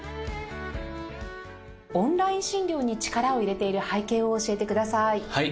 オンライン診療に力を入れている背景を教えてください。